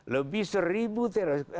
lebih seribu teroris